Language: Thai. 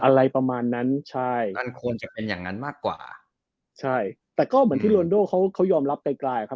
อะไรประมาณนั้นใช่มันควรจะเป็นอย่างนั้นมากกว่าใช่แต่ก็เหมือนที่โรนโดเขาเขายอมรับไกลไกลครับ